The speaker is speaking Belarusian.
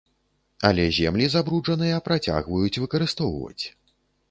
Але землі забруджаныя працягваюць выкарыстоўваць.